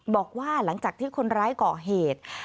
บอกว่าหลังจากที่คนร้ายก่อเหตุ